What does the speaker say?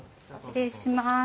失礼します。